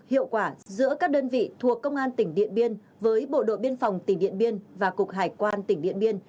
hiệu quả giữa các đơn vị thuộc công an tỉnh điện biên với bộ đội biên phòng tỉnh điện biên và cục hải quan tỉnh điện biên